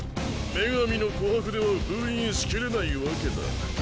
「女神の琥魄」では封印しきれないわけだ。